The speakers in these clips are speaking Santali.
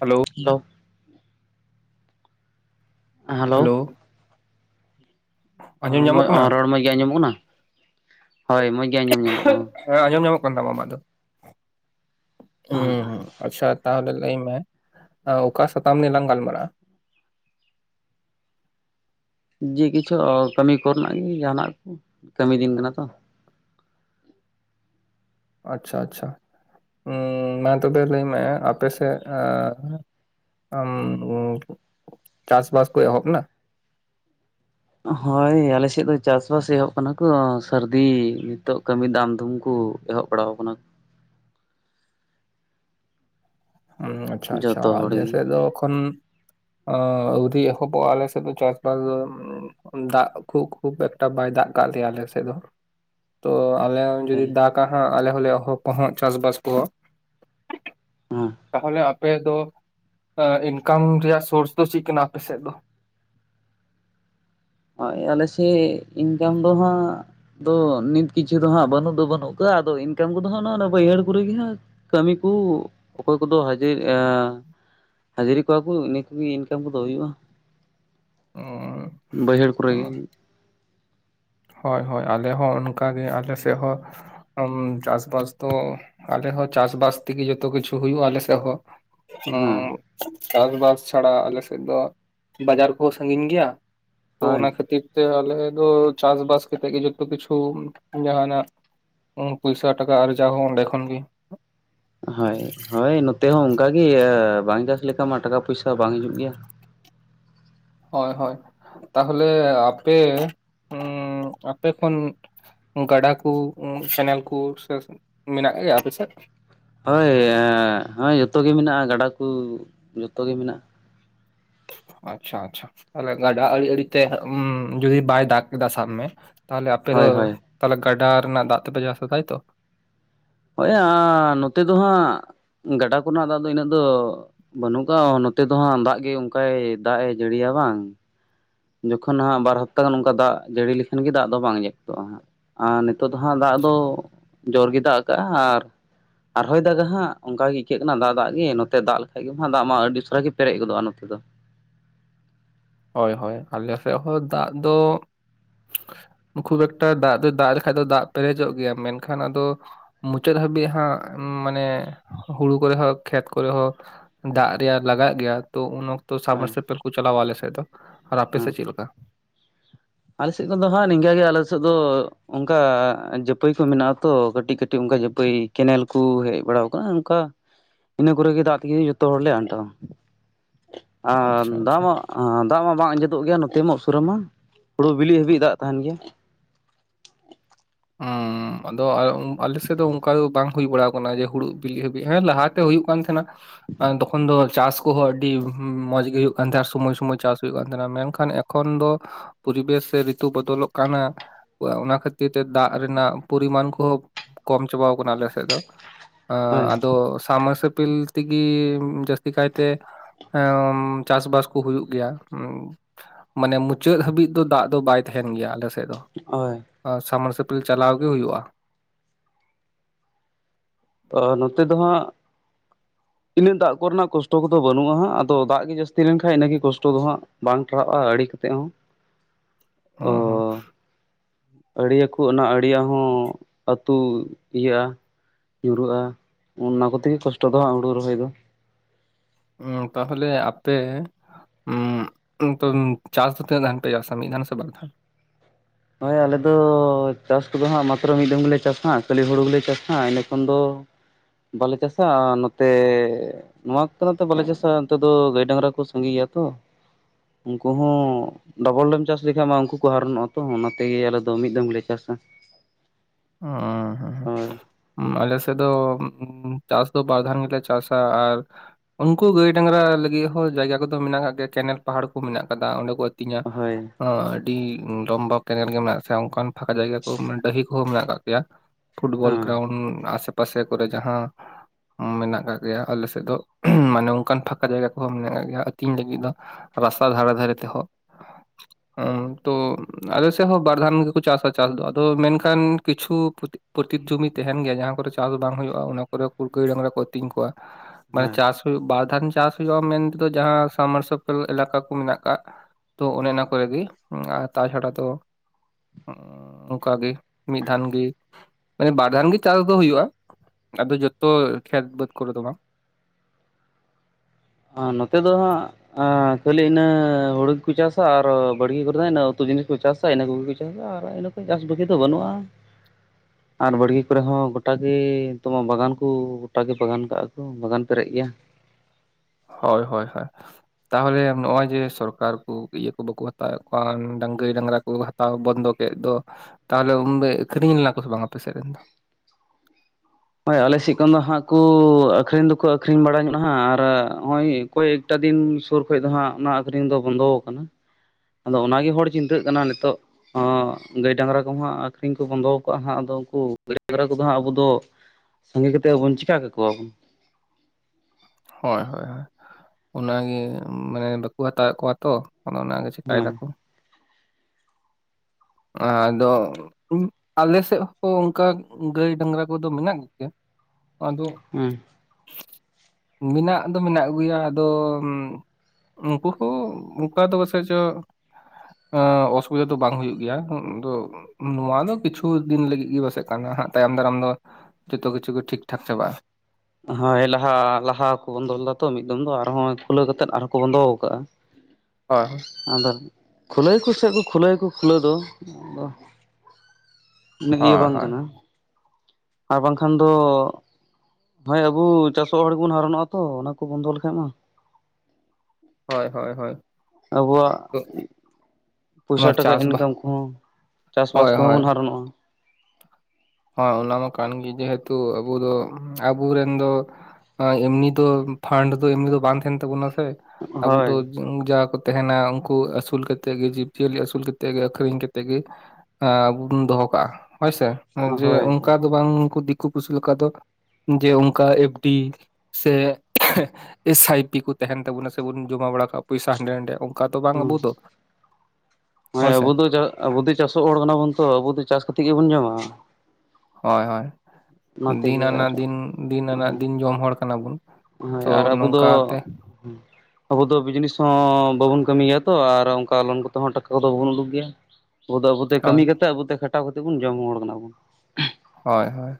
ᱦᱮᱞᱳ ᱞᱚ ᱦᱮᱸ ᱦᱮᱞᱳ ᱟᱸᱡᱚᱢ ᱧᱟᱢᱚᱜ ᱠᱟᱱᱟ ᱨᱚᱲ, ᱢᱚᱡᱽ ᱜᱮ ᱟᱸᱡᱚᱢᱚᱜ ᱠᱟᱱᱟ ᱦᱳᱭ ᱢᱚᱡ ᱦᱮᱸ ᱟᱸᱡᱚᱢ ᱧᱟᱢᱚᱜ ᱠᱟᱱ ᱛᱟᱢᱟ ᱟᱢᱟᱜ ᱫᱚ ᱦᱩᱸ ᱦᱳᱭ ᱦᱩᱸ ᱟᱪᱪᱷᱟ᱾ ᱛᱟᱦᱚᱞᱮ ᱞᱟᱹᱭ ᱢᱮ ᱚᱠᱟ ᱥᱟᱛᱟᱢ ᱱᱤ ᱞᱟᱝ ᱜᱟᱞᱢᱟᱨᱟᱜ-ᱟ᱾ ᱡᱮ ᱠᱤᱪᱷᱩ ᱠᱟᱹᱢᱤ ᱠᱚ ᱨᱮᱱᱟᱜ ᱜᱮ ᱡᱟᱦᱟᱱᱟᱜ ᱠᱚ ᱠᱟᱹᱢᱤ ᱫᱤᱱ ᱠᱟᱱᱟ ᱛᱚ ᱟᱪᱪᱷᱟ ᱟᱪᱪᱷᱟ ᱢᱟ ᱛᱚᱵᱮ ᱞᱟᱹᱭ ᱢᱮ? ᱟᱯᱮ ᱥᱮᱫ ᱟᱢ ᱪᱟᱥ ᱵᱟᱥ ᱠᱚ ᱮᱦᱚᱵ ᱮᱱᱟ᱾ ᱦᱳᱭ ᱟᱞᱮ ᱥᱮᱫ ᱫᱚ ᱪᱟᱥ ᱵᱟᱥ ᱮᱦᱚᱵ ᱠᱟᱱᱟ ᱠᱩ ᱥᱟᱹᱨᱫᱤ ᱱᱤᱛᱚᱜ ᱠᱟᱹᱢᱤ ᱫᱟᱢ ᱫᱷᱩᱢ ᱠᱚ ᱮᱦᱚᱵ ᱯᱟᱲᱟᱣ ᱠᱟᱱᱟ᱾ ᱦᱩᱸ ᱟᱪᱪᱷᱟ ᱟᱪᱪᱷᱟ ᱡᱚᱛᱚ ᱦᱚᱲ ᱟᱞᱮ ᱜᱮ ᱥᱮᱫ ᱫᱚ ᱮᱠᱷᱚᱱ ᱟᱣᱹᱨᱤ ᱮᱦᱚᱵ ᱟᱞᱮ ᱥᱮ ᱫᱚ ᱪᱟᱥ ᱵᱟᱥ [unintelligible] ᱫᱟᱜ ᱠᱷᱩᱵ ᱠᱷᱩᱵ ᱮᱠᱴᱟ ᱵᱟᱭ ᱫᱟᱜ ᱠᱟᱜ ᱞᱮᱭᱟ ᱟᱞᱮ ᱥᱮᱫ ᱫᱚ ᱛᱚ ᱟᱞᱮᱼᱼ ᱡᱩᱫᱤ ᱦᱳᱭ ᱫᱟᱜ ᱟ ᱦᱟᱸᱜ ᱟᱞᱮ ᱦᱚᱸᱞᱮ ᱮᱦᱚ ᱵᱟ ᱦᱟᱸᱜ ᱪᱟᱥ ᱵᱟᱥ ᱠᱚ᱾ ᱦᱮᱸ ᱛᱟᱦᱚᱞᱮ ᱟᱯᱮ ᱫᱚ ᱤᱱᱠᱟᱢ ᱨᱮᱭᱟᱜ ᱥᱳᱨᱥ ᱫᱚ ᱪᱮᱫ ᱠᱟᱱᱟ ᱟᱯᱮ ᱥᱮᱫ ᱫᱚ? ᱦᱚᱭ ᱟᱞᱮᱥᱮᱫ ᱤᱱᱠᱟᱢ ᱫᱚ ᱦᱟᱸᱜ᱾ ᱟᱫᱚ ᱱᱤᱛ ᱠᱤᱪᱷᱩ ᱫᱚ ᱦᱟᱸᱜ ᱵᱟᱹᱱᱩᱜ ᱫᱚ ᱵᱟᱹᱱᱩᱜ ᱠᱚᱣᱟ ᱟᱫᱚ ᱤᱱᱠᱟᱢ ᱠᱚᱫᱚ ᱦᱟᱸᱜ ᱱᱚᱜ ᱵᱟᱹᱭᱦᱟᱹᱲ ᱠᱚᱨᱮᱜ ᱜᱮ ᱦᱟᱸᱜ᱾ ᱠᱟᱹᱢᱤ ᱠᱚ ᱚᱠᱚᱭ ᱠᱚᱫᱚ ᱦᱟᱡᱟᱨ ᱦᱟᱹᱡᱨᱤ ᱠᱚᱣᱟ ᱠᱚ ᱤᱱᱟᱹ ᱠᱚᱜᱮ ᱤᱱᱠᱟᱢ ᱠᱚᱫᱚ ᱦᱩᱭᱩᱜ-ᱟ᱾ ᱚᱻ ᱵᱟᱹᱭᱦᱟᱹᱲ ᱠᱚᱨᱮ ᱜᱤᱧ ᱦᱳᱭ, ᱦᱳᱭ, ᱟᱞᱮ ᱦᱚᱸ ᱚᱱᱠᱟ ᱜᱮ ᱟᱞᱮ ᱥᱮᱫ ᱦᱚᱸ ᱪᱟᱥ ᱵᱟᱥ ᱫᱚ ᱟᱞᱮ ᱦᱚᱸ ᱪᱟᱥ ᱵᱟᱥ ᱛᱮᱜᱮ ᱡᱚᱛᱚ ᱠᱤᱪᱷᱩ ᱦᱩᱭᱩᱜ-ᱟ ᱟᱞᱮ ᱥᱮᱫ ᱦᱚᱸ ᱦᱮᱸ ᱪᱟᱥ ᱵᱟᱥ ᱪᱷᱟᱲᱟ ᱟᱞᱮ ᱥᱮᱫ ᱫᱚ ᱵᱟᱡᱟᱨ ᱠᱚᱦᱚᱸ ᱥᱟᱺᱜᱤᱧ ᱜᱮᱭᱟ᱾ ᱛᱚ ᱚᱱᱟ ᱦᱳᱭ ᱠᱷᱟᱹᱛᱤᱨ ᱛᱮ ᱟᱞᱮ ᱫᱚ ᱪᱟᱥ ᱵᱟᱥ ᱠᱟᱛᱮ ᱜᱮ ᱡᱚᱛᱚ ᱠᱤᱪᱷᱩ ᱡᱟᱦᱟ ᱱᱟᱜ ᱯᱚᱭᱥᱟ ᱴᱟᱠᱟ ᱟᱨᱡᱟᱣ ᱦᱚᱸ ᱚᱸᱰᱮ ᱠᱷᱚᱱ ᱜᱮ᱾ ᱦᱳᱭ ᱦᱳᱭ ᱱᱚᱛᱮ ᱦᱚᱸ ᱚᱱᱠᱟ ᱜᱮ ᱵᱟᱝ ᱪᱟᱥ ᱞᱮᱠᱟ ᱢᱟ ᱴᱟᱠᱟ ᱯᱚᱭᱥᱟ ᱵᱟᱝ ᱦᱤᱡᱩᱜ ᱜᱮᱭᱟ᱾ ᱦᱳᱭ ᱦᱳᱭ ᱛᱟᱦᱚᱞᱮ ᱟᱯᱮ ᱩᱸ ᱟᱯᱮ ᱠᱷᱚᱱ ᱜᱟᱹᱰᱟ ᱠᱩ ᱠᱮᱱᱮᱞ ᱠᱩ ᱥᱮ ᱢᱮᱱᱟᱜ ᱜᱮᱭᱟ ᱟᱯᱮ ᱥᱮᱫ ᱦᱳᱭ ᱦᱳᱭ ᱡᱚᱛᱚ ᱜᱮ ᱢᱮᱱᱟᱜ-ᱟ ᱜᱟᱰᱟ ᱠᱩ ᱡᱚᱛᱚ ᱜᱮ ᱢᱮᱱᱟᱜ-ᱟ᱾ ᱟᱪᱪᱷᱟ ᱟᱪᱪᱷᱟ ᱛᱟᱦᱚᱞᱮ ᱜᱟᱰᱟ ᱟᱲᱮ ᱟᱲᱮ ᱛᱮ ᱡᱩᱫᱤ ᱵᱟᱭ ᱫᱟᱜ ᱠᱮᱫᱟ ᱥᱟᱵ ᱢᱮ ᱛᱟᱦᱚᱞᱮ ᱟᱯᱮ ᱫᱚ ᱦᱳᱭ ᱦᱳᱭ ᱛᱟᱦᱚᱞᱮ ᱜᱟᱰᱟ ᱨᱮᱱᱟᱜ ᱫᱟᱜ ᱛᱮᱯᱮ ᱪᱟᱥ ᱟ ᱛᱟᱭ ᱛᱚ ᱦᱳᱭ ᱱᱚᱛᱮ ᱫᱚ ᱦᱟᱸᱜ ᱜᱟᱰᱟ ᱠᱚ ᱨᱮᱱᱟᱜ ᱫᱟᱜ ᱫᱚ ᱤᱱᱟᱹᱜ ᱫᱚ ᱵᱟᱹᱱᱩᱜ ᱠᱟ ᱱᱚᱛᱮ ᱫᱚ ᱦᱟᱸᱜ ᱫᱟᱜ ᱜᱮ ᱚᱱᱠᱟᱭ ᱫᱟᱜ ᱮ ᱡᱟᱹᱲᱤᱭᱟ ᱵᱟᱝ ᱡᱚᱠᱷᱚᱱ ᱦᱟᱸᱜ ᱵᱟᱨ ᱦᱟᱯᱛᱟ ᱜᱟᱱ ᱚᱱᱠᱟ ᱫᱟᱜ ᱡᱟᱹᱲᱤ ᱞᱮᱠᱷᱟᱱ ᱜᱮ ᱫᱟᱜ ᱫᱚ ᱵᱟᱝ ᱦᱟᱜ ᱟᱨ ᱱᱤᱛᱚᱜ ᱫᱚ ᱦᱟᱸᱜ ᱫᱟᱜ ᱫᱚ ᱡᱚᱨ ᱜᱮ ᱫᱟᱜ ᱠᱟᱜ-ᱟ ᱟᱨ ᱟᱨ ᱦᱚᱭ ᱫᱟᱜ ᱟ ᱦᱟᱸᱜ ᱚᱱᱠᱟ ᱜᱮ ᱟᱹᱭᱠᱟᱹᱜ ᱠᱟᱱᱟ ᱫᱟᱜ ᱫᱟᱜ ᱜᱮ ᱱᱚᱛᱮ ᱫᱟᱜ ᱞᱮᱠᱷᱟᱡ ᱜᱮ ᱦᱟᱜ ᱫᱟᱜ ᱢᱟ ᱟᱹᱰᱤ ᱩᱥᱟᱹᱨᱟ ᱜᱮ ᱯᱮᱨᱮᱡ ᱜᱚᱫᱚᱜ-ᱟ ᱱᱚᱛᱮ ᱫᱚ᱾ ᱦᱳᱭ ᱦᱳᱭ ᱟᱞᱮ ᱥᱮᱫ ᱦᱚᱸ ᱫᱟᱜ ᱫᱚ ᱠᱷᱩᱵ, ᱮᱠᱴᱟ, ᱫᱟᱜ ᱫᱚ ᱫᱟᱜ ᱞᱮᱠᱷᱟᱡ ᱫᱚ ᱫᱟᱜ ᱯᱮᱨᱮᱡᱚᱜ ᱜᱮᱭᱟ ᱢᱮᱱᱠᱷᱟᱱ ᱟᱫᱚ ᱢᱩᱪᱟᱹᱫ ᱦᱟᱵᱤ ᱦᱟᱸᱜ ᱢᱟᱱᱮ ᱦᱩᱲᱩ ᱠᱚᱨᱮ ᱦᱳᱠ ᱠᱷᱮᱛ ᱠᱚᱨᱮ ᱦᱳᱠ ᱫᱟᱜ ᱨᱮᱭᱟᱜ ᱞᱟᱜᱟᱜ ᱜᱮᱭᱟ ᱛᱚ ᱩᱱ ᱚᱠᱛᱚ ᱥᱟᱵ ᱦᱮᱸ [unintelligible] ᱠᱚ ᱪᱟᱞᱟᱣᱟ ᱟᱞᱮ ᱥᱮᱫ ᱫᱚ ᱟᱨ ᱟᱯᱮ ᱥᱮᱫ ᱪᱮᱫ ᱞᱮᱠᱟ᱾ [unintelligible] ᱠᱚ ᱫᱚ ᱦᱟᱸ ᱱᱤᱝᱟᱹᱜᱮ [unintelligible] ᱫᱚ ᱚᱱᱠᱟ ᱡᱟᱹᱯᱟᱹᱭ ᱠᱚ ᱢᱮᱱᱟᱜ-ᱟ ᱟᱛᱚ ᱠᱟᱹᱴᱤᱡ ᱠᱟᱹᱴᱤᱡ ᱚᱱᱠᱟ ᱡᱟᱹᱯᱟᱹᱭ ᱠᱮᱱᱮᱞ ᱠᱚ ᱦᱮᱡ ᱵᱟᱲᱟᱣ ᱠᱟᱱᱟ ᱚᱱᱠᱟ᱾ ᱤᱱᱟᱹ ᱠᱚᱨᱮ ᱜᱮ ᱫᱟᱜ ᱛᱮᱜᱮ ᱡᱚᱛᱚ ᱦᱚᱲ ᱞᱮ ᱟᱱᱴᱟᱣᱟ᱾ ᱟᱨ ᱟᱪᱪᱷᱟ ᱟᱪᱪᱷᱟ ᱫᱟᱜ ᱢᱟ, ᱫᱟᱜ ᱢᱟ ᱵᱟᱝ ᱟᱸᱡᱮᱫᱚᱜ ᱜᱮᱭᱟ ᱱᱚᱛᱮ ᱢᱟ ᱩᱥᱩᱨᱟ ᱢᱟ ᱦᱩᱲᱩ ᱵᱤᱞᱤ ᱦᱟᱹᱵᱤᱡ ᱫᱟᱜ ᱛᱟᱦᱮᱱ ᱜᱮᱭᱟ᱾ ᱚᱻ ᱟᱫᱚ ᱟᱞᱮ ᱥᱮᱫ ᱫᱚ ᱚᱱᱠᱟ ᱫᱚ ᱵᱟᱝ ᱦᱩᱭ ᱵᱟᱲᱟᱣ ᱠᱟᱱᱟ ᱡᱮ, ᱦᱩᱲᱩ ᱵᱤᱞᱤᱜ ᱦᱟᱹᱵᱤᱡ ᱦᱮᱸ ᱞᱟᱦᱟᱛᱮ ᱦᱩᱭᱩᱜ ᱠᱟᱱ ᱛᱟᱦᱮᱸᱱᱟ ᱾ ᱟᱨ ᱛᱚᱠᱷᱚᱱ ᱫᱚ ᱪᱟᱥ ᱠᱚᱦᱚᱸ ᱟᱹᱰᱤ ᱢᱚᱸᱡᱽ ᱜᱮ ᱦᱩᱭᱩᱜ ᱠᱟᱱ ᱛᱟᱦᱮᱱᱟ, ᱟᱨ ᱥᱩᱢᱳᱭ ᱥᱩᱢᱳᱭ ᱪᱟᱥ ᱦᱩᱭᱩᱜ ᱠᱟᱱ ᱛᱟᱦᱮᱸᱱᱟ᱾ ᱢᱮᱱᱠᱷᱟᱱ ᱠᱷᱚᱱ ᱫᱚ ᱯᱚᱨᱤᱵᱮᱥ ᱥᱮ ᱨᱤᱛᱩ ᱵᱚᱫᱚ ᱞᱚᱜ ᱠᱟᱱᱟ, ᱚᱱᱟ ᱠᱷᱟᱹᱛᱤᱨ ᱛᱮ ᱫᱟᱜ ᱨᱮᱱᱟᱜ ᱯᱚᱨᱤᱢᱟᱱ ᱠᱚᱦᱚᱸ ᱠᱚᱢ ᱪᱟᱵᱟᱣ ᱠᱟᱱᱟ ᱟᱞᱮ ᱥᱮᱫ ᱫᱚ ᱾ ᱦᱳᱭ ᱟᱫᱚ ᱥᱟᱢᱟᱥᱮᱯᱤᱞ ᱛᱮᱜᱮ ᱡᱟᱹᱥᱛᱤ ᱠᱟᱭᱛᱮ ᱪᱟᱥᱵᱟᱥ ᱠᱚ ᱦᱩᱭᱩᱜ ᱜᱮᱭᱟ᱾ ᱢᱟᱱᱮ ᱢᱩᱪᱟᱹᱫ ᱦᱟᱹᱵᱤᱡ ᱫᱚ ᱫᱟᱜ ᱫᱚ ᱵᱟᱭ ᱛᱟᱦᱮᱱ ᱜᱮᱭᱟ ᱟᱞᱮ ᱥᱮᱫ ᱫᱚ ᱾ ᱦᱳᱭ ᱾ ᱥᱟᱢᱟᱨᱥᱮᱯᱮᱞ ᱪᱟᱞᱟᱣ ᱜᱮ ᱦᱩᱭᱩᱜᱼᱟ᱾ ᱛᱚ ᱱᱚᱛᱮ ᱫᱚ ᱦᱟᱸᱜ ᱤᱱᱟᱹᱜ ᱫᱟᱜ ᱠᱚᱨᱮᱱᱟᱜ ᱠᱚᱥᱴᱚ ᱠᱚᱫᱚ ᱵᱟᱹᱱᱩᱜᱼᱟ ᱦᱟᱸᱜ, ᱟᱫᱚ ᱫᱟᱜ ᱜᱮ ᱡᱟᱹᱥᱛᱤ ᱞᱮᱱᱠᱷᱟᱡ ᱤᱱᱟᱹᱜᱮ ᱠᱚᱥᱴᱚ ᱫᱚ ᱦᱟᱸᱜ ᱾ ᱵᱟᱝ ᱴᱟᱨᱦᱟᱜᱼᱟ ᱟᱹᱲᱤ ᱠᱟᱛᱮᱫ ᱦᱚᱸ ᱚᱦᱚ ᱟᱹᱲᱤᱭᱟ ᱠᱚ ᱚᱱᱟ ᱟᱹᱲᱤᱭᱟ ᱦᱚᱸ ᱟᱹᱛᱩ ᱤᱭᱟᱹᱜᱼᱟ ᱧᱩᱨᱩᱜᱼᱟ, ᱚᱱᱟ ᱠᱚᱛᱮ ᱜᱮ ᱠᱚᱥᱴᱚ ᱫᱚ ᱦᱟᱸᱜ ᱦᱩᱲᱩ ᱨᱚᱦᱚᱭ ᱫᱚ ᱾ ᱛᱟᱦᱚᱞᱮ ᱟᱯᱮ ᱛᱚ ᱪᱟᱥ ᱫᱚ ᱛᱤᱱᱟᱹᱜ ᱫᱷᱟᱱ ᱯᱮ ᱡᱟᱥᱟ ᱢᱤᱫ ᱫᱷᱟᱱ ᱥᱮ ᱵᱟᱨ ᱫᱟᱱ? ᱦᱳᱭ ᱟᱞᱮ ᱫᱚ ᱪᱟᱥ ᱠᱚᱫᱚ ᱦᱟᱸᱜ ᱢᱟᱛᱨᱚ ᱢᱤᱫ ᱫᱚᱢ ᱜᱮᱞᱮ ᱪᱟᱥᱟ, ᱠᱷᱟᱹᱞᱤ ᱦᱩᱲᱩ ᱜᱮᱞᱮ ᱪᱟᱥᱟ ᱤᱱᱟ ᱠᱷᱚᱱ ᱫᱚ ᱵᱟᱞᱮ ᱪᱟᱥᱟ ᱱᱚᱛᱮ ᱱᱚᱣᱟ [unintelligible] ᱵᱟᱞᱮ ᱪᱟᱥᱟ ᱱᱚᱛᱮ ᱫᱚ ᱜᱟᱹᱭ ᱰᱟᱝᱨᱟ ᱠᱚ ᱥᱟᱸᱜᱮ ᱜᱮᱭᱟ ᱛᱚ᱾ ᱩᱱᱠᱩ ᱦᱚᱸ ᱰᱚᱵᱚᱞ ᱰᱚᱢ ᱪᱟᱥ ᱞᱮᱠᱷᱟᱡ ᱢᱟ ᱩᱱᱠᱩ ᱠᱚ ᱦᱟᱨᱚᱱᱚᱜᱼᱟ ᱾ ᱱᱤᱛᱚᱜ ᱦᱚ ᱚᱱᱟ ᱛᱮᱜᱮ ᱟᱞᱮ ᱫᱚ ᱢᱤᱫ ᱫᱚᱢ ᱜᱮᱞᱮ ᱪᱟᱥᱟ ᱾ ᱚ ᱦᱮᱸ ᱾ ᱟᱞᱮ ᱥᱮᱫ ᱫᱚ ᱪᱟᱥ ᱫᱚ ᱵᱟᱨ ᱫᱷᱟᱱ ᱜᱮᱞᱮ ᱪᱟᱥᱟ ᱟᱨ ᱩᱱᱠᱩ ᱜᱟᱹᱭ ᱰᱟᱝᱨᱟ ᱞᱟᱹᱜᱤᱫ ᱦᱚᱸ ᱡᱟᱭᱜᱟ ᱠᱚᱫᱚ ᱢᱮᱱᱟᱜ ᱟᱠᱟᱫ ᱜᱮᱭᱟ, ᱠᱮᱱᱮᱞ ᱯᱟᱦᱟᱲ ᱠᱚ ᱢᱮᱱᱟᱜ ᱟᱠᱟᱫᱟ ᱚᱸᱰᱮ ᱠᱚ ᱟᱛᱤᱧᱟ, ᱦᱳᱭ ᱟᱹᱰᱤ ᱞᱚᱢᱵᱟ ᱠᱮᱱᱮᱞ ᱜᱮ ᱢᱮᱱᱟᱜᱼᱟ ᱥᱮ, ᱚᱱᱠᱟᱱ ᱯᱷᱟᱸᱠᱟ ᱡᱟᱭᱜᱟ ᱠᱚ ᱰᱟᱹᱦᱤ ᱠᱚ ᱢᱮᱱᱟᱜ ᱠᱟᱜ ᱜᱮᱭᱟ᱾ ᱯᱷᱩᱴᱵᱚᱞ ᱦᱮᱸ ᱜᱨᱟᱩᱱᱰ ᱟᱥᱮ ᱯᱟᱥᱮ ᱠᱚᱨᱮ ᱡᱟᱦᱟᱸ ᱢᱮᱱᱟᱜ ᱠᱟᱜ ᱜᱮᱭᱟ᱾ ᱟᱞᱮ ᱥᱮᱫ ᱫᱚ ᱢᱟᱱᱮ ᱚᱱᱠᱟᱱ ᱯᱷᱟᱸᱠᱟ ᱡᱟᱭᱜᱟ ᱠᱚᱦᱚᱸ ᱢᱮᱱᱟᱜ ᱜᱮᱭᱟ, ᱟᱹᱛᱤᱧ ᱞᱟᱹᱜᱤᱫ ᱫᱚ᱾ ᱨᱟᱥᱛᱟ ᱫᱷᱟᱨᱮ ᱫᱷᱟᱨᱮ ᱛᱮᱦᱚᱸ ᱛᱚ ᱟᱞᱮ ᱥᱮᱫ ᱦᱚᱸ ᱵᱟᱨ ᱫᱷᱟᱱ ᱜᱮᱠᱚ ᱪᱟᱥᱟ ᱪᱟᱥ ᱫᱚ ᱟᱫᱚ ᱢᱮᱱᱠᱷᱟᱱ ᱠᱷᱟᱱ ᱠᱤᱪᱷᱩ ᱯᱩᱛᱤ ᱯᱩᱨᱛᱤᱛ ᱡᱩᱢᱤ ᱛᱟᱦᱮᱱ ᱜᱮᱭᱟ, ᱡᱟᱦᱟᱸ ᱠᱚᱨᱮ ᱪᱟᱥ ᱵᱟᱝ ᱦᱩᱭᱩᱜᱼᱟ᱾ ᱚᱱᱟ ᱠᱚᱨᱮ ᱠᱩ ᱜᱟᱹᱭ ᱰᱟᱝᱨᱟ ᱠᱚ ᱟᱹᱛᱤᱧ ᱠᱚᱣᱟ᱾ ᱢᱟᱱᱮ ᱦᱳᱭ ᱪᱟᱥ ᱵᱟᱨᱫᱷᱟᱱ ᱪᱟᱥ ᱦᱩᱭᱩᱜᱼᱟ, ᱢᱮᱱ ᱛᱮᱫᱚ ᱡᱟᱦᱟᱸ ᱥᱟᱢᱢᱟᱨᱥᱚᱞ ᱛᱮᱞᱮ ᱮᱞᱟᱠᱟ ᱠᱚ ᱢᱮᱱᱟᱜ ᱠᱟᱫ ᱛᱚ ᱚᱱᱮ ᱚᱱᱟ ᱠᱚᱨᱮ ᱜᱮ ᱟᱨ ᱛᱟᱪᱷᱟᱲᱟ ᱛᱚ ᱚᱱᱠᱟ ᱜᱮ ᱢᱤᱫ ᱫᱷᱟᱱ ᱜᱮ ᱢᱟᱱᱮ ᱵᱟᱨ ᱫᱷᱟᱱ ᱜᱮ ᱪᱟᱥ ᱫᱚ ᱦᱩᱭᱩᱜᱼᱟ᱾ ᱟᱫᱚ ᱡᱚᱛᱚ ᱠᱷᱮᱛ ᱵᱟᱹᱫᱽ ᱠᱚᱨᱮ ᱫᱚ ᱵᱟᱝ ᱾ ᱱᱚᱛᱮ ᱫᱚ ᱦᱟᱸᱜ ᱠᱷᱟᱹᱞᱤ ᱤᱱᱟᱹ ᱦᱩᱲᱩ ᱜᱮᱠᱚ ᱪᱟᱥᱟ ᱟᱨ ᱵᱟᱲᱜᱮ ᱠᱚᱨᱮ ᱫᱚ ᱤᱱᱟᱹ ᱩᱛᱩ ᱡᱤᱱᱤᱥ ᱠᱚ ᱪᱟᱥᱟ ᱪᱟᱥᱟ ᱤᱱᱟᱹ ᱠᱚᱜᱮ ᱠᱚ ᱪᱟᱥᱟ ᱟᱨ ᱤᱱᱟᱹ ᱠᱷᱟᱡ ᱪᱟᱥ ᱵᱟᱹᱠᱤ ᱫᱚ ᱵᱟᱹᱱᱩᱜᱼᱟ ᱾ [inaudible] ᱟᱨ ᱵᱟᱲᱜᱮ ᱠᱚᱨᱮ ᱦᱚᱸ ᱜᱚᱴᱟᱜᱮ ᱱᱤᱛᱚᱜ ᱢᱟ ᱵᱟᱜᱟᱱ ᱠᱚ, ᱜᱚᱴᱟ ᱜᱮ ᱵᱟᱜᱟᱱ ᱠᱟᱜᱼᱟ ᱠᱚ ᱵᱟᱜᱟᱱ ᱯᱮᱨᱮᱡ ᱜᱮᱭᱟ ᱾ ᱦᱳᱭ ᱦᱳᱭ ᱦᱳᱭ ᱾ ᱛᱟᱦᱚᱞᱮ ᱱᱚᱜᱼᱚᱭ ᱡᱮ ᱥᱚᱨᱠᱟᱨ ᱠᱚ ᱤᱭᱟᱹ ᱠᱚ ᱵᱟᱠᱚ ᱦᱟᱛᱟᱣᱮᱫ ᱠᱟᱣᱟ ᱰᱟᱝᱨᱤ ᱜᱟᱹᱭ ᱰᱟᱝᱨᱟ ᱠᱚ ᱦᱟᱛᱟᱣ ᱵᱚᱱᱫᱚ ᱠᱮᱫ ᱫᱚ, ᱛᱟᱦᱚᱞᱮ ᱩᱱ ᱫᱚ ᱟᱹᱠᱷᱨᱤᱧ ᱞᱮᱱᱟ ᱠᱚ ᱥᱮ ᱵᱟᱝ ᱟᱯᱮᱥᱮᱫ ᱨᱮᱱ ᱫᱚ? ᱦᱳᱭ ᱟᱞᱮᱥᱮᱫ ᱠᱷᱚᱱ ᱫᱚ ᱦᱟᱸᱜ ᱠᱚ ᱟᱹᱠᱷᱨᱤᱧ ᱫᱚᱠᱚ ᱟᱹᱠᱷᱨᱤᱧ ᱵᱟᱲᱟ ᱧᱚᱜᱼᱱᱟ ᱦᱟᱸᱜ ᱟᱨ ᱱᱚᱜᱼᱚᱭ ᱠᱚᱭᱮᱠ ᱴᱟ ᱫᱤᱱ ᱥᱳᱨ ᱠᱷᱚᱡ ᱫᱚ ᱦᱟᱸᱜ ᱚᱱᱟ ᱟᱠᱷᱨᱤᱧ ᱫᱚ ᱵᱚᱱᱫᱚ ᱠᱟᱱᱟ ᱾ ᱟᱫᱚ ᱚᱱᱟᱜᱮ ᱦᱚᱲ ᱪᱤᱱᱛᱟᱹᱜ ᱠᱟᱱᱟ ᱱᱤᱛᱚᱜ, ᱜᱟᱹᱭ ᱰᱟᱝᱨᱟ ᱠᱚ ᱦᱟᱸᱜ ᱟᱠᱷᱨᱤᱧ ᱠᱚ ᱵᱚᱱᱫᱚ ᱠᱟᱜᱼᱟ ᱦᱟᱸᱜ ᱟᱫᱚ ᱩᱱᱠᱩ ᱜᱟᱹᱭ ᱰᱟᱝᱨᱟ ᱠᱚᱫᱚ ᱦᱟᱸᱜ ᱟᱵᱚ ᱫᱚ᱾ ᱥᱟᱸᱜᱮ ᱠᱟᱛᱮᱫ ᱟᱵᱚᱱ ᱪᱤᱠᱟ ᱠᱟᱠᱚᱣᱟᱵᱚᱱ? ᱦᱳᱭ ᱦᱳᱭ ᱚᱱᱟᱜᱮ ᱢᱟᱱᱮ ᱵᱟᱠᱚ ᱦᱟᱛᱟᱣᱮᱜ ᱠᱚᱣᱟ ᱛᱚ ᱚᱱ ᱚᱱᱟᱜᱼᱼ ᱪᱤᱠᱟᱭ ᱦᱳᱭ ᱫᱟᱠᱚ ᱟᱫᱚ ᱟᱞᱮ ᱥᱮᱜ ᱦᱚᱸ ᱚᱝᱠᱟ ᱜᱟᱹᱭ ᱰᱟᱝᱨᱟ ᱠᱚᱫᱚ ᱢᱮᱱᱟᱜ ᱜᱮ ᱠᱮᱼᱼ ᱟᱫᱚ ᱦᱮᱸ ᱢᱮᱱᱟᱜ ᱫᱚ ᱢᱮᱱᱟᱜ ᱠᱚ ᱜᱮᱭᱟ ᱟᱫᱚᱼᱼ ᱩᱱᱠᱩ ᱦᱚᱸ ᱚᱝᱠᱟ ᱫᱚ ᱯᱟᱥᱮᱡ ᱪᱚ ᱚᱥᱩᱵᱤᱫᱟ ᱫᱚ ᱵᱟᱝ ᱦᱩᱭᱩᱜᱼᱼ ᱜᱮᱭᱟ ᱱᱚᱣᱟ ᱫᱚ ᱠᱤᱪᱷᱩ ᱫᱤᱱ ᱞᱟᱹᱜᱤᱜ ᱜᱮ ᱯᱟᱥᱮᱜ ᱠᱟᱱᱟ ᱛᱟᱭᱚᱢ ᱫᱟᱨᱟᱢ ᱫᱚᱼ- ᱡᱚᱛᱚ ᱠᱤᱪᱩ ᱜᱮ ᱴᱷᱤᱠ ᱴᱷᱟᱠ ᱪᱟᱵᱟᱜᱼᱟ᱾ ᱦᱳᱭ ᱞᱟᱦᱟ ᱞᱟᱦᱟ ᱠᱚ ᱵᱚᱱᱫᱚ ᱞᱮᱫᱟ ᱛᱚ ᱢᱤᱫ ᱫᱢ ᱫᱚ ᱟᱨᱦᱚᱸ ᱠᱷᱩᱞᱟᱹᱣ ᱠᱟᱛᱮᱫ ᱟᱨᱦᱚᱸ ᱠᱚ ᱵᱚᱱᱫᱚᱣ ᱠᱟᱜᱼᱟ᱾ ᱦᱳᱭ ᱦᱳᱭ᱾ ᱟᱫᱚ ᱠᱷᱩᱞᱟᱹᱭᱟ ᱠᱚ ᱥᱮ ᱠᱚ ᱠᱷᱩᱞᱟᱹᱭᱟᱠᱚ ᱠᱷᱩᱞᱟᱹᱣ ᱫᱚ ᱟᱫᱚ᱾ ᱩᱱᱟᱹᱜ ᱤᱭᱟᱹ ᱦᱳᱭ ᱵᱟᱝ ᱦᱳᱭ ᱠᱟᱱᱟ ᱟᱨ ᱵᱟᱝᱠᱷᱟᱱ ᱫᱚᱼᱼ ᱦᱳᱭ ᱟᱵᱩ ᱪᱟᱥᱚᱜ ᱦᱚᱲ ᱜᱮᱵᱚᱱ ᱦᱟᱨᱚᱱᱚᱜᱼᱟ ᱛᱚ ᱚᱱᱟ ᱠᱚ ᱵᱚᱱᱫᱚ ᱞᱮᱠᱷᱟᱡ ᱢᱟ ᱦᱳᱭ ᱦᱳᱭ ᱦᱳᱭ᱾ ᱟᱵᱚᱣᱟᱜ [unintelligible] ᱯᱚᱭᱥᱟ ᱴᱟᱠᱟ ᱪᱟᱥ ᱵᱟ ᱤᱱᱠᱟᱢ ᱠᱚᱦᱚᱸ ᱪᱟᱥᱵᱟᱥ ᱦᱳᱭ ᱠᱚᱦᱚᱸ ᱵᱚᱱ ᱦᱟᱨᱚᱱᱚᱜᱼᱟ᱾ ᱦ ᱚᱱᱟ ᱢᱟ ᱠᱟᱱ ᱜᱮ ᱡᱮᱦᱮ ᱛᱩ ᱟᱵᱚ ᱫᱚ ᱟᱵᱚ ᱨᱮᱱ ᱫᱚ, ᱮᱢᱱᱤ ᱫᱚ ᱯᱷᱟᱱᱰ ᱫᱚ ᱮᱢᱱᱤ ᱫᱚ ᱵᱟᱝ ᱛᱟᱦᱮᱱ ᱛᱟᱵᱚᱱᱟ ᱥᱮ ᱟᱵᱚ ᱦᱳᱭ ᱫᱚ᱾ ᱡᱟ ᱠᱚ ᱛᱟᱦᱮᱱᱟ ᱩᱝᱠᱩ ᱟᱹᱥᱩᱞ ᱠᱟᱛᱮᱜ ᱜᱮ ᱡᱤᱵᱽ ᱡᱤᱭᱟᱹᱞᱤ ᱟᱹᱥᱩᱞ ᱠᱟᱛᱮᱜ ᱜᱮ ᱟᱹᱷᱨᱤᱧ ᱠᱟᱛᱮᱜ ᱜᱮᱼᱼ ᱟᱵᱚᱱ ᱫᱚᱦᱚ ᱠᱟᱜᱼᱟ ᱦᱳᱭᱥᱮ ᱡᱮ ᱦᱳᱭ ᱚᱝᱠᱟ ᱫᱚ ᱵᱟᱝ ᱩᱝᱠᱩ ᱫᱤᱠᱩ ᱯᱩᱥᱤ ᱞᱮᱠᱟ ᱫᱚᱼᱼ ᱡᱮ ᱚᱝᱠᱟ ᱮᱯᱷ ᱰᱤ ᱥᱮ ᱮᱥ ᱟᱭ ᱯᱤ ᱠᱚ ᱛᱟᱦᱮᱱ ᱛᱟᱵᱚᱱᱟ ᱥᱮᱵᱚᱱ ᱡᱚᱢᱟ ᱵᱟᱲᱟ ᱠᱟᱜᱼᱟ ᱯᱚᱭᱥᱟ ᱦᱟᱸᱰᱮ ᱱᱟᱸᱰᱮ᱾ ᱦ ᱦᱮᱸ ᱦᱳᱭ ᱥᱮ ᱟᱵᱚ ᱫᱚ ᱪᱟᱼᱼ ᱟᱵᱚ ᱫᱚ ᱪᱟᱥᱚᱜ ᱦᱚᱲ ᱠᱟᱱᱟᱵᱚᱱ ᱛᱚ ᱟᱵᱚ ᱫᱚ ᱪᱟᱥ ᱠᱟᱛᱮᱜ ᱜᱮᱵᱚᱱ ᱡᱚᱢᱟ᱾ ᱦᱳᱭ ᱦᱳᱭ ᱚᱱᱟ ᱫᱤᱱ ᱛᱮᱜᱮ ᱟᱨ ᱟᱱᱟᱜ ᱫᱤᱱ ᱫᱤᱱ ᱟᱱᱟᱜ ᱦᱮᱸ ᱫᱤᱱ ᱡᱚᱢ ᱦᱚᱲ ᱠᱟᱱᱟᱵᱩᱱ᱾ ᱦᱳᱭ ᱟᱨ ᱟᱵᱚ ᱫᱚᱼᱼ ᱟᱵᱚ ᱫᱚ ᱵᱤᱡᱽᱱᱮᱥ ᱦᱚᱸ ᱵᱟᱵᱚᱱ ᱠᱟᱹᱢᱤᱭᱟ ᱛᱚ ᱟᱨ ᱚᱝᱠᱟ ᱞᱳᱱ ᱠᱚᱛᱮ ᱦᱚᱸ ᱴᱟᱠᱟ ᱠᱚᱫᱚ ᱵᱟᱵᱚᱱ ᱩᱸᱰᱩᱠ ᱜᱮᱭᱟ᱾ ᱟᱵᱚ ᱫᱚ ᱟᱵᱚᱛᱮ ᱠᱟᱹᱢᱤ ᱦᱳᱭ ᱠᱟᱛᱮᱜ ᱟᱵᱚᱛᱮ ᱠᱷᱟᱴᱟᱣ ᱠᱟᱛᱮᱜ ᱵᱚᱱ ᱡᱚᱢ ᱦᱚᱲ ᱠᱟᱱᱟ ᱵᱚᱱ᱾ ᱦᱳᱭ ᱦᱳᱭ᱾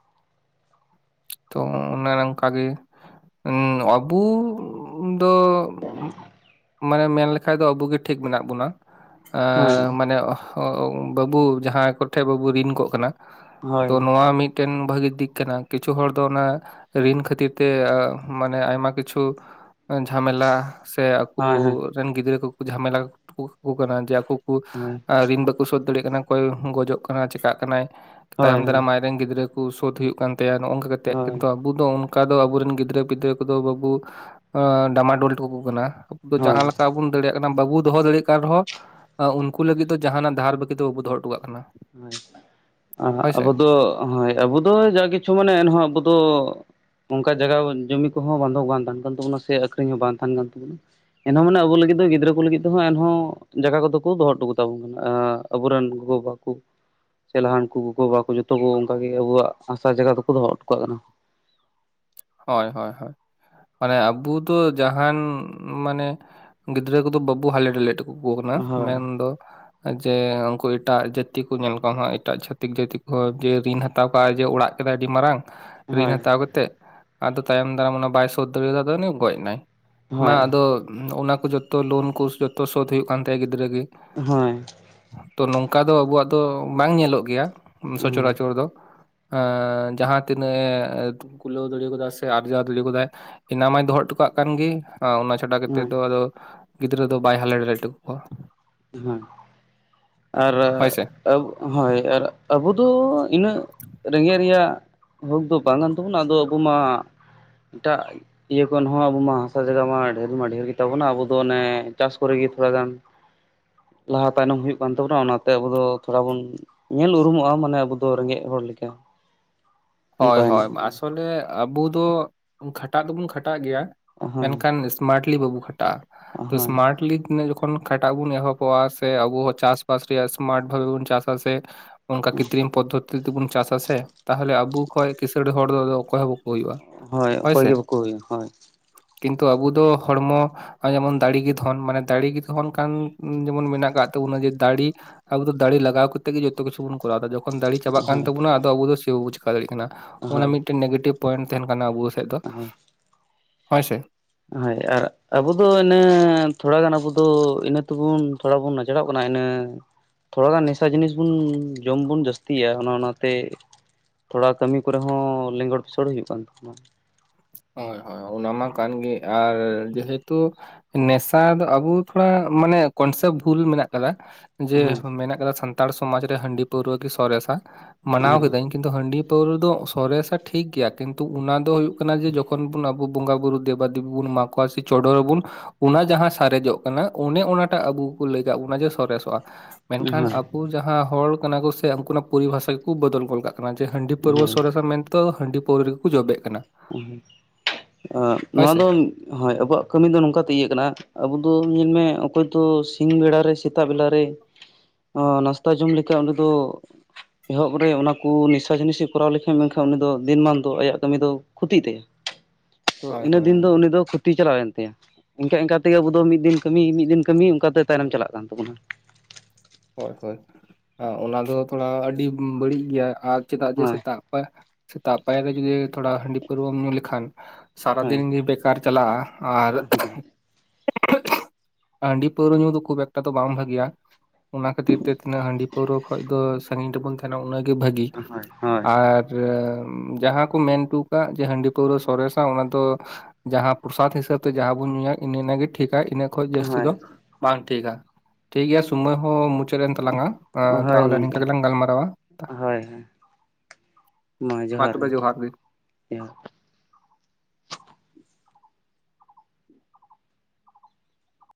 ᱛᱚ ᱚᱱᱮ ᱝᱠᱟᱜᱮ ᱟᱵᱩᱼᱼ ᱫᱚ ᱢᱟᱱᱮ ᱢᱮᱱ ᱞᱮᱠᱷᱟᱡ ᱫᱚ ᱟᱵᱚᱜ ᱜᱮ ᱴᱷᱤᱠ ᱢᱮᱱᱟᱜ ᱵᱚᱱᱟ᱾ ᱦᱳᱭ ᱢᱟᱱᱮ ᱵᱟᱹᱵᱩ ᱡᱟᱦᱟᱸᱭ ᱠᱚᱴᱷᱮᱜ ᱵᱟᱹᱵᱩ ᱨᱤᱱ ᱠᱚᱜ ᱠᱟᱱᱟ᱾ ᱛᱚ ᱦᱳᱭ ᱱᱚᱣᱟ ᱢᱤᱫᱴᱮᱱ ᱵᱷᱟᱹᱜᱤ ᱫᱤᱠ ᱠᱟᱱᱟ ᱟᱨᱠᱤ᱾ ᱠᱤᱪᱷᱩ ᱦᱚᱲ ᱫᱚ ᱚᱱᱟ ᱨᱤᱱ ᱠᱷᱟᱹᱛᱤᱨ ᱛᱮ ᱢᱟᱱᱮ ᱟᱭᱢᱟ ᱠᱤᱪᱷᱩ᱾ ᱡᱷᱟᱢᱮᱞᱟ ᱥᱮᱼᱼ ᱦᱳᱭ ᱦᱳᱭ ᱨᱮᱱ ᱜᱤᱫᱽᱨᱟᱹ ᱠᱚ ᱠᱚ ᱡᱷᱟᱢᱮᱞᱟ ᱠᱟᱠᱚ ᱠᱟᱱᱟ ᱡᱮ ᱟᱠᱚ ᱠᱚ ᱦᱳᱭ ᱨᱤᱱ ᱵᱟᱠᱚ ᱥᱳᱫᱷ ᱫᱟᱲᱮᱭᱟᱜ ᱠᱟᱱᱟ᱾ ᱚᱠᱚᱭ ᱜᱚᱡᱚᱜ ᱠᱟᱱᱟ ᱪᱮᱠᱟᱜ ᱠᱟᱱᱟᱭ ᱦᱳᱭ ᱛᱟᱭᱚᱢ ᱫᱟᱨᱟᱢ ᱟᱡᱨᱮᱱ ᱜᱤᱫᱽᱨᱟᱹ ᱠᱚ ᱥᱳᱫᱷ ᱦᱩᱭᱩᱜ ᱠᱟᱱ ᱛᱟᱭᱟ ᱱᱚᱜᱝ ᱠᱟ᱾ ᱛᱮᱜ ᱦᱳᱭ ᱠᱤᱱᱛᱩ ᱟᱵᱚ ᱫᱚ ᱚᱱᱠᱟ ᱫᱚ ᱟᱵᱚᱨᱮᱱ ᱜᱤᱫᱽᱨᱟᱹ ᱯᱤᱫᱽᱨᱟᱹ ᱠᱚᱫᱚ ᱵᱟᱵᱚ ᱰᱟᱢᱟ ᱰᱚᱞ ᱦᱚᱴᱚᱠᱚ ᱠᱟᱱᱟ᱾ ᱦᱳᱭ ᱡᱟᱦᱟᱸ ᱞᱮᱠᱟ ᱵᱩᱱ᱾ ᱫᱟᱲᱮᱭᱟᱜ ᱠᱟᱱᱟ ᱵᱟᱵᱚ ᱫᱚᱦᱚ ᱫᱟᱲᱮᱭᱟᱜ ᱠᱟᱱ ᱨᱮᱦᱚᱸ ᱩᱱᱠᱩ ᱞᱟᱹᱜᱤᱫ ᱫᱚ ᱡᱟᱦᱱᱟᱜ ᱫᱷᱟᱨ ᱵᱟᱹᱠᱤ ᱫᱚ ᱵᱟᱵᱚ ᱫᱚᱦᱚ ᱴᱚ ᱠᱟᱜ ᱠᱟᱱᱟ᱾ ᱦᱳᱭ ᱟᱵᱚ ᱫᱚ ᱦᱳᱭ ᱟᱵᱚ ᱫᱚ ᱡᱟ ᱠᱤᱪᱷᱩ ᱢᱟᱱᱮ ᱮᱱᱦᱚᱸ ᱟᱵᱚ ᱫᱚᱼᱼ ᱚᱝᱠᱟ ᱡᱟᱜᱟ ᱡᱩᱢᱤ ᱠᱚᱦᱚᱸ ᱵᱚᱱᱫᱷᱚᱠ ᱵᱟᱝ ᱛᱟᱦᱮᱱ ᱠᱟᱱ ᱛᱟᱵᱚᱱᱟ ᱥᱮ ᱟᱠᱷᱨᱤᱧ ᱦᱚᱸ ᱵᱟᱝ ᱛᱟᱦᱮᱱ ᱠᱟᱱ ᱛᱟᱵᱚᱱᱟᱼᱼ ᱮᱱᱦᱚᱸ ᱢᱟᱱᱮ ᱟᱵᱚ ᱞᱟᱹᱜᱤᱫ ᱫᱚ ᱜᱤᱫᱽᱨᱟᱹ ᱠᱚ ᱞᱟᱹᱜᱤᱫ ᱫᱚ ᱮᱱᱦᱚᱸ ᱡᱟᱜᱟ ᱠᱚᱫᱚ ᱠᱚ ᱫᱚᱦᱚ ᱴᱚ ᱠᱟᱛᱟ ᱵᱚᱱ ᱠᱟᱱᱟ᱾ ᱟᱵᱚᱨᱮᱱ ᱜᱚᱜᱚᱼᱵᱟ᱾ ᱪᱮᱞᱦᱟᱱ ᱠᱚ ᱜᱚᱜᱚᱵᱟᱵᱟ ᱡᱚᱛᱚ ᱠᱚ ᱚᱝᱠᱟ ᱜᱮ ᱟᱵᱚᱣᱟᱜ ᱦᱟᱥᱟ ᱡᱟᱜᱟ ᱫᱚᱠᱚ ᱫᱚᱦᱚ ᱴᱚ ᱠᱟᱜ ᱠᱟᱱᱟ᱾ ᱦᱳᱭ ᱦᱳᱭ ᱦᱳᱭ ᱢᱟᱱᱮ ᱟᱵᱚ ᱫᱚ ᱡᱟᱦᱟᱱ ᱢᱟᱱᱮ, ᱜᱤᱫᱽᱨᱟᱹ ᱠᱚᱫᱚ ᱵᱟᱵᱚ ᱦᱟᱞᱮ ᱰᱟᱞᱮ ᱴᱚ᱾ [inaudible] ᱠᱟᱱᱟ ᱦᱳᱭ ᱢᱮᱱᱫᱚ ᱡᱮ ᱩᱠᱩ ᱮᱴᱟᱜ ᱡᱟᱹᱛᱤ ᱠᱚ ᱧᱮᱞ ᱠᱚᱢ ᱦᱟᱜ ᱮᱴᱟᱜ ᱪᱷᱟᱟᱹᱛᱤᱠ ᱡᱟᱹᱛᱤ ᱠᱚᱦᱚᱸ ᱡᱮ ᱫᱤᱱ ᱦᱟ᱾ ᱦᱟᱛᱟᱣ ᱠᱟᱜᱟᱭ ᱡᱮ ᱚᱲᱟᱜ ᱠᱮᱫᱟᱭ ᱟᱹᱰᱤ ᱢᱟᱨᱟᱝ ᱨᱤᱱ ᱦᱳᱭ ᱦᱟᱛᱟᱣ ᱠᱟᱛᱮᱫ᱾ ᱟᱫᱚ ᱛᱟᱭᱚᱢ ᱫᱟᱨᱟᱢ ᱚᱱᱟ ᱵᱟᱭ ᱥᱳᱛᱫᱟᱬᱮᱫᱟ ᱩᱱᱤ ᱜᱚᱡ ᱱᱟᱭ, ᱢᱟ ᱦᱳᱭ ᱟᱫᱚ ᱚᱱᱟ ᱠᱚ ᱡᱚ᱾ ᱛᱚ ᱞᱳᱱ ᱠᱚ ᱡᱚᱛᱚ ᱥᱳᱫ ᱦᱩᱭᱩᱜᱳ ᱠᱟᱱ ᱛᱟᱭᱟ ᱜᱤᱫᱽᱨᱟᱹ ᱜᱮ᱾ ᱦᱳᱭ ᱛᱚ ᱱᱚᱝᱠᱟ ᱫᱚ ᱟᱵᱚᱣᱟᱜ ᱫᱚ ᱵᱟᱝ ᱧᱮᱞᱚᱜ ᱜᱮᱭᱟ ᱥᱚᱪᱚᱨᱟᱪᱚᱨ ᱫᱚ᱾ ᱮᱻ ᱡᱟᱦᱟᱸ ᱛᱤᱱᱟᱹᱜ ᱮ ᱠᱩᱞᱟᱹᱣ ᱫᱟᱲᱮ ᱠᱟᱫᱟ᱾ ᱥᱮ ᱟᱨᱡᱟᱣ ᱫᱟᱲᱮ ᱠᱟᱫᱟᱭ ᱮᱱᱟ ᱢᱟᱭ ᱫᱚᱦᱚ ᱦᱚᱴᱚ ᱠᱟᱜ ᱠᱟᱱ ᱜᱮ ᱚᱱᱟ ᱪᱷᱟᱰᱟ ᱠᱟᱛᱮᱜ ᱦᱳᱭ ᱫᱚ ᱟᱫᱚ᱾ ᱜᱤᱫᱽᱨᱟᱹ ᱫᱚ ᱵᱟᱭ ᱦᱟᱞᱮᱰᱟᱞᱮ ᱦᱚᱴᱚ ᱠᱟᱠᱣᱟ᱾ ᱦᱮᱸ ᱟᱨ ᱦᱳᱭ ᱥᱮ ᱟᱵᱩ ᱦᱳᱭ ᱟᱨ ᱟᱵᱚ ᱫᱚ ᱤᱱᱟᱹᱜ ᱨᱮᱸᱜᱮᱡ ᱨᱮᱭᱟᱜ᱾ ᱦᱚᱠ ᱫᱚ ᱵᱟᱝ ᱠᱟᱱ ᱛᱟᱵᱚᱱᱟ ᱟᱫᱚ ᱟᱵᱚ ᱢᱟ ᱮᱴᱟᱜ᱾ ᱤᱭᱟᱹ ᱠᱷᱚᱱ ᱦᱚᱸ ᱟᱵᱚ ᱢᱟ ᱦᱟᱥᱟ ᱡᱟᱭᱜᱟ ᱢᱟ ᱰᱷᱮᱨ ᱢᱟ ᱰᱷᱮᱨ ᱜᱮᱛᱟᱵᱚᱱᱟ ᱟᱵᱚ ᱫᱚ ᱚᱱᱮ ᱪᱟᱥ ᱠᱚᱨᱮᱜᱮ ᱛᱷᱚᱲᱟ ᱜᱟᱱ᱾ ᱞᱟᱦᱟ ᱛᱟᱭᱱᱚᱢ ᱦᱩᱭᱩᱜ ᱠᱟᱱ ᱛᱟᱵᱚᱱᱟ ᱚᱱᱟᱛᱮ ᱟᱵᱚ ᱫᱚ ᱛᱷᱚᱲᱟ ᱵᱚᱱ᱾ ᱧᱮᱞ ᱩᱨᱩᱢᱚᱜᱼᱟ ᱢᱟᱱᱮ ᱟᱵᱚ ᱫᱚ ᱨᱮᱸᱜᱮᱡ ᱦᱚᱲ ᱞᱮᱠᱟ᱾ [unintelligible] ᱚᱱᱠᱟ ᱦᱳᱭ ᱦᱳᱭ ᱦᱮᱱᱟᱜ ᱵᱚᱱᱟ ᱟᱥᱚᱞᱮ ᱟᱵᱚ ᱫᱚ ᱠᱷᱟᱴᱟᱜ ᱫᱚᱵᱚᱱ ᱠᱷᱟᱴᱟᱜ ᱜᱮᱭᱟ ᱦᱳᱭ ᱢᱮᱱᱠᱷᱟᱱ᱾ ᱢᱟᱴᱞᱤ ᱵᱵᱩ ᱠᱷᱴᱟ ᱦᱳᱭ ᱮᱥᱢᱟᱴᱞᱤ ᱛᱤᱱᱟᱜ ᱡᱚ᱾ ᱚᱠᱷᱚᱱ ᱠᱷᱟᱴᱟᱜ ᱵᱚᱱ ᱮᱦᱚᱵᱚᱜᱼᱟ ᱥᱮ ᱟᱵᱚ ᱦᱚᱸ ᱪᱟᱥᱵᱟᱥ ᱨᱮᱭᱟᱜ ᱮᱥᱢᱟᱴ ᱵᱷᱟᱵᱮ ᱵᱚᱱ ᱪᱟᱥᱟ ᱵᱟ-ᱟ ᱥᱮ᱾ ᱚᱱᱠᱟ ᱦᱩᱸ ᱠᱛᱨᱤᱤᱢ ᱯᱚᱫᱽᱫᱚᱛᱤ ᱛᱮᱵᱚᱱ ᱪᱟᱥᱟ ᱟᱥᱮ ᱛᱟᱦᱚᱞᱮ ᱟᱵᱚ ᱠᱷᱚᱡ ᱠᱤᱸᱥᱟᱹᱲ ᱦᱚᱲ ᱫᱚ ᱟᱠᱚᱭ ᱦᱚᱸᱵᱚ᱾ ᱦᱩᱭᱩᱜᱼᱟ ᱦᱳᱭ ᱚᱠᱚᱭ ᱦᱳᱭᱥᱮ ᱜᱮ ᱵᱟᱠᱚ ᱦᱩᱭᱩᱜᱼᱟ ᱦᱳᱭ ᱠᱤᱱᱛᱩ ᱟᱵᱚ ᱫᱚ ᱦᱚᱲᱢᱚ᱾ ᱱᱚᱚᱭ ᱡᱮᱢᱚᱱ ᱫᱟᱲᱮᱜᱮ ᱫᱷᱚᱱ ᱢᱟᱱᱮ ᱫᱟᱲᱮᱜᱮ ᱫᱷᱚᱱ ᱠᱟᱱ ᱡᱮᱢᱚᱱ ᱢᱮᱱᱟᱜ ᱠᱟᱜ ᱛᱟᱵᱚᱱᱟ ᱡᱮ ᱫᱟᱲᱤ᱾ ᱟᱵᱚ ᱫᱚ ᱫᱟᱲᱮ ᱞᱟᱜᱟᱣ ᱠᱟᱛᱮᱜ ᱜᱮ ᱡᱚᱛᱚ ᱠᱤᱪᱩ ᱵᱚᱱ ᱠᱚᱨᱟᱣ ᱫᱟ ᱡᱚᱠᱷᱚᱱ ᱾ ᱠᱷᱚᱱ ᱫᱟᱲᱮ ᱪᱟᱵᱟᱜ ᱠᱟᱱ ᱦᱳᱭ ᱛᱟᱵᱚᱱᱟ ᱟᱫᱚ ᱟᱵᱚ ᱥᱮ ᱵᱟᱵ ᱪᱤᱠᱟ ᱫᱟᱲᱮᱭᱟᱜ ᱠᱟᱱᱟ, ᱚᱱᱟ ᱦᱳᱭ ᱢᱤᱫᱴᱮᱱ ᱱᱮᱜᱮᱴᱤᱵᱷ ᱯᱚᱭᱮᱱᱴ ᱛᱟᱦᱮᱱ ᱠᱟᱱᱟ ᱟᱵᱚ᱾ ᱦᱮ ᱫᱚ ᱦᱳᱭ ᱦᱳᱭ ᱥᱮ ᱦᱳᱭ ᱟᱨ ᱟᱵᱚ ᱫᱚ ᱤᱱᱟᱹ ᱛᱷᱚᱲᱟ ᱜᱟᱱ ᱟᱵᱚ ᱫᱚ ᱤᱱᱟᱹ ᱛᱮᱵᱚᱱ᱾ ᱛᱷᱚᱲᱟ ᱵᱚᱱ ᱱᱟᱪᱲᱚᱜ ᱠᱟᱱᱟ ᱤᱱᱟᱹ᱾ ᱛᱷᱚᱲᱟᱟ ᱜᱟᱱ ᱱᱮᱥᱟ ᱡᱤᱱᱤᱥ ᱵᱚᱱ ᱡᱚᱢ ᱵᱚᱱ ᱡᱟᱹᱥᱛᱤᱭᱟ ᱚᱱᱟ ᱚᱱᱟᱛᱮ᱾ ᱛᱷᱚᱲᱟ ᱠᱟᱹᱢᱤ ᱠᱚᱨᱮ ᱦᱚᱸ ᱚᱸ ᱞᱮᱸᱜᱚᱰ ᱯᱮᱥᱚᱲ ᱦᱩᱭᱩᱜ ᱠᱟᱱ ᱛᱟᱵᱚᱱᱟ᱾ ᱦᱳᱭ ᱦᱳᱭ ᱚᱱᱟ ᱢᱟ ᱠᱟᱱᱜᱮ ᱟᱨ ᱡᱮᱦᱮᱛᱩ᱾ ᱱᱮᱥᱟ ᱫᱚ ᱟᱵᱚ ᱛᱷᱚᱲᱟ ᱢᱟᱱᱮ ᱠᱚᱱᱥᱮᱯᱵ ᱵᱷᱩᱞ ᱢᱮᱱᱟᱜ ᱠᱟᱫᱟ? ᱡᱮ ᱦᱮᱸ ᱢᱮᱱᱟᱜ ᱠᱟᱫᱟ ᱥᱟᱱᱛᱟᱲ ᱥᱚᱢᱟᱡ ᱨᱮ ᱦᱟᱺᱰᱤ ᱯᱟᱹᱣᱨᱟᱹ ᱜᱮ ᱥᱚᱨᱮᱥᱟ ᱢᱟᱱᱟᱣ ᱦᱳᱭ ᱠᱤᱫᱟᱹᱧ᱾ ᱠᱤᱱᱛᱩ ᱦᱟᱸᱹᱰᱤ ᱯᱟᱹᱣᱨᱟᱹ ᱫᱚ ᱥᱚᱨᱮᱥᱟ ᱴᱷᱤᱠ ᱜᱮᱭᱟ ᱠᱤᱱᱛᱩ ᱚᱱᱟ ᱫᱚ᱾ ᱠᱟᱱᱟ ᱡᱮ ᱡᱚᱠᱷᱚᱱ ᱵᱚᱱ ᱟᱵᱚ ᱵᱚᱸᱜᱟ ᱵᱩᱨᱩ ᱫᱮᱵᱟ ᱫᱮᱵᱤ ᱵᱚᱱ ᱢᱟᱠᱚᱣᱟ ᱥᱮ ᱪᱚᱰᱚᱨ ᱟᱵᱚᱱ᱾ ᱚᱱᱟ ᱡᱟᱸᱦᱟ ᱥᱟᱨᱮᱡᱚᱜ ᱠᱟᱱᱟ ᱚᱱᱮ ᱚᱱᱟᱴᱟᱜ ᱟᱵᱚ ᱠᱚ ᱞᱟᱹᱭ ᱠᱟᱫᱵᱚᱱᱟ ᱡᱮ ᱥᱚᱨᱮᱥᱚᱜᱼᱟ᱾ ᱢᱮᱱᱠᱷᱟᱱ ᱟᱵᱚ ᱡᱟᱸᱦᱟ ᱦᱚᱲ ᱠᱟᱱᱟ ᱠᱚ ᱥᱮ ᱩᱱᱠᱩᱱᱟᱜ ᱯᱚᱨᱤᱵᱷᱟᱥᱟ ᱜᱮᱠᱚ ᱵᱚᱫᱚᱞ ᱜᱚᱞ ᱠᱟᱟᱜ᱾ ᱠᱟᱱᱟ ᱡᱮ ᱦᱟᱸᱹᱰᱤ ᱯᱟᱨᱹᱣᱟᱹ ᱦᱳᱭ ᱥᱚᱨᱮᱥᱟ ᱢᱮᱱᱛᱮᱫᱚ ᱦᱟᱸᱹᱰᱤ ᱯᱟᱹᱣᱨᱟᱹᱜᱮᱠᱚ ᱡᱚᱵᱮ ᱠᱟᱱᱟ᱾ ᱦᱳᱭ ᱱᱚᱣᱟ ᱥᱮ ᱫᱚ ᱦᱳᱭ ᱟᱵᱚᱣᱟᱜ ᱠᱟᱹᱢᱤ ᱫᱚ ᱱᱚᱝ ᱠᱟᱛᱮ ᱤᱭᱟᱹ ᱠᱟᱱᱟ᱾ ᱟᱵᱚ ᱫᱚ ᱧᱮᱞᱢᱮ ᱚᱠᱚᱭ ᱫᱚ ᱥᱤᱧ ᱵᱮᱲᱟᱨᱮ ᱥᱮᱛᱟᱜ ᱵᱮᱞᱟᱨᱮ᱾ ᱱᱟᱥᱛᱟ ᱡᱚᱢ ᱞᱮᱠᱟ ᱚᱸᱰᱮ ᱫᱚ᱾ ᱮᱦᱚᱵ ᱨᱮ ᱚᱱᱟ ᱠᱚ ᱱᱮᱥᱟ ᱡᱤᱱᱤᱥᱮ ᱠᱚᱨᱟᱣ ᱞᱮᱠᱷᱟᱱ ᱢᱮᱱᱠᱷᱟᱱ ᱩᱱᱤ ᱫᱚ ᱫᱤᱱ ᱢᱟᱱ ᱫᱚ ᱟᱭᱟᱜ ᱠᱟᱹᱢᱤ ᱫᱚ᱾ ᱠᱷᱚᱛᱤᱭᱜ ᱛᱟᱭᱟ ᱛᱚ ᱦᱳᱭ ᱤᱱᱟᱹ ᱦᱳᱭ ᱫᱤᱱ ᱦᱳᱭ ᱫᱚ ᱩᱱᱤ ᱫᱚ ᱾ ᱛᱤ ᱪᱟᱞᱟᱣᱮᱱ ᱛᱟᱭᱟ ᱤᱝᱠᱟ ᱤᱝᱠᱟ ᱛᱮᱜᱮ ᱟᱵᱚ ᱢᱤᱫ ᱫᱤᱱ ᱠᱟᱹᱢᱤ ᱢᱤᱫ ᱫᱤᱱ ᱠᱟᱹᱢᱤ ᱚᱱᱠᱟᱛᱮ ᱛᱟᱭᱱᱚᱢ ᱪᱟᱞᱟᱜ ᱠᱟᱱ ᱛᱟᱵᱚᱱᱟ᱾ ᱦᱚᱭ ᱦᱳᱭ ᱚᱱᱟ ᱫᱚ ᱛᱷᱚᱲᱟ ᱟᱹᱰᱤ ᱵᱟᱹᱲᱤᱡ ᱜᱮᱭᱟ ᱟᱨ ᱪᱮᱫᱟᱜ ᱡᱮ ᱦᱳᱭ ᱥᱮᱛᱟᱜ ᱯᱟᱼᱼ ᱥᱮᱛᱟᱜ ᱯᱟᱭᱟᱨ ᱨᱮ ᱡᱩᱫᱤ ᱛᱷᱚᱲᱟ ᱦᱟᱺᱰᱤ ᱯᱟᱹᱨᱟᱹᱣᱨᱟᱹᱢ ᱧᱩ ᱞᱮᱠᱷᱟᱱ᱾ ᱥᱟᱨᱟᱫᱤᱱ ᱦᱳᱭ ᱜᱮ ᱵᱮᱠᱟᱨ ᱪᱟᱞᱟᱜᱼᱟ ᱟᱨ᱾ ᱦᱳᱭ ᱦᱟᱺᱰᱤ ᱯᱟᱹᱣᱨᱟᱹ ᱧᱩ ᱫᱚ ᱠᱷᱩᱵ ᱮᱠᱴᱟ ᱫᱚ ᱵᱟᱝ ᱵᱷᱟᱜᱮᱭᱟ ᱚᱱᱟ ᱠᱷᱟᱹᱛᱤᱨ ᱛᱮ ᱛᱤᱱᱟᱹᱜ ᱦᱟᱺᱰᱤ ᱯᱟᱹᱣᱨᱟᱹ ᱠᱷᱚᱢᱫᱚ ᱥᱟᱺᱟᱹᱜᱤᱧ ᱨᱮᱵᱚᱱ ᱛᱟᱦᱮᱱᱟ ᱩᱱᱟᱹᱜ ᱜᱮ ᱵᱷᱟᱹᱜᱤ ᱦᱳᱭ ᱦᱳᱭ ᱟᱨ ᱡᱟᱦᱟᱸ ᱠᱩ ᱢᱮᱱᱴᱩᱣ ᱠᱟᱜ ᱡᱮ ᱦᱟᱺᱰᱤ ᱯᱟᱹᱣᱨᱟᱹ ᱥᱚᱨᱮᱥᱟ ᱚᱱᱟ ᱫᱚ ᱡᱟᱦᱟᱸ ᱯᱨᱚᱥᱟᱫᱽ ᱦᱤᱥᱟᱹᱵ ᱛᱮ ᱡᱟᱦᱟᱸ ᱵᱚᱱ ᱧᱩᱭᱟ ᱮᱱᱮ ᱤᱱᱟᱹ ᱜᱮ ᱴᱷᱤᱠᱟ ᱤᱱᱟᱹ ᱠᱷᱚᱡ ᱡᱟᱹᱥᱛᱤ ᱫᱚ ᱵᱟᱝ ᱴᱷᱤᱠᱟ ᱴᱷᱤᱠ ᱜᱮᱭᱟ ᱥᱩᱢᱚᱭ ᱦᱚᱸ ᱢᱩᱪᱟ ᱮᱱ ᱦᱳᱭ ᱛᱟᱞᱟᱝᱟ ᱦᱳᱭ ᱛᱟᱦᱚᱞᱮ ᱱᱤᱝᱠᱟ ᱜᱚᱢᱠᱮ ᱜᱮᱞᱟᱝ ᱜᱟᱞᱢᱟᱨᱟᱣᱟ᱾ ᱦᱳᱭ ᱦᱳᱭ ᱢᱟ ᱡᱚᱦᱟᱨ ᱜᱮ ᱡᱚᱦᱟᱨ